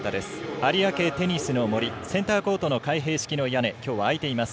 有明テニスの森センターコートの開閉式の屋根きょうは開いています。